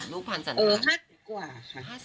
ลูกพันธ์สนุกนะครับปกติเออ๕๐กว่าค่ะ